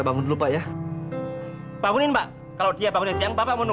bukan saja keluarga kamu